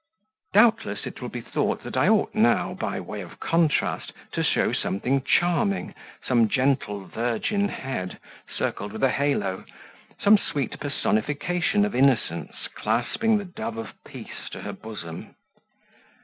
Doubtless it will be thought that I ought now, by way of contrast, to show something charming; some gentle virgin head, circled with a halo, some sweet personification of innocence, clasping the dove of peace to her bosom.